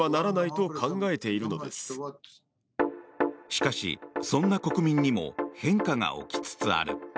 しかし、そんな国民にも変化が起きつつある。